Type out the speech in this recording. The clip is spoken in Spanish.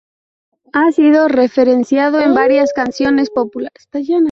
Ha sido referenciado en varias canciones populares, vídeo juegos e historietas.